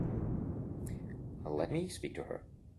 Let me speak to her.